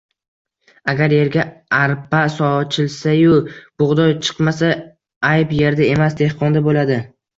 Agar yerga arpa sochilsa-yu, bug‘doy chiqmasa, ayb yerda emas, dehqonda bo‘ladi.